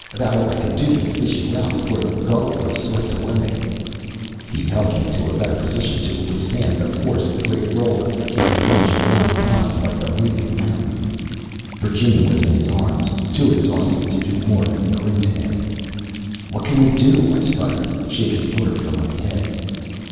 About all I could do to fish you out before the Gull was swept away." He helped me to a better position to withstand the force of the great roller that came plunging down upon us like a moving mountain. Virginia was in his arms, too exhausted to do more than cling to him. "What can we do?" I sputtered, shaking water from my head.